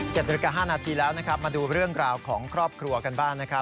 นาฬิกา๕นาทีแล้วนะครับมาดูเรื่องราวของครอบครัวกันบ้างนะครับ